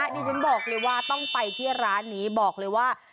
ดิฉันบอกเลยว่าต้องไปที่ร้านนี้บอกเลยว่า